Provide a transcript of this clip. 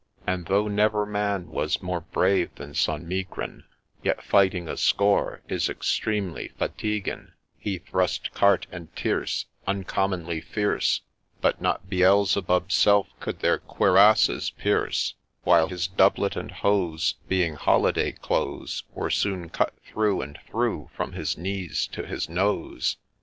And though never man was more brave than St. Megrin, Yet fighting a score is extremely fatiguing ; He thrust carte and tierce Uncommonly fierce, But not Beelzebub's self could their cuirasses pierce j While his doublet and hose, Being holiday clothes, Were soon cut through and through from his knees to his nos«.